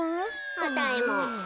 あたいも。